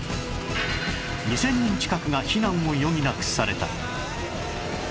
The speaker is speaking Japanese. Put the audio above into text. ２０００人近くが避難を余儀なくされた